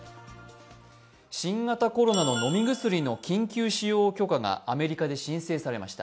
新型コロナの飲み薬の緊急使用許可がアメリカで申請されました。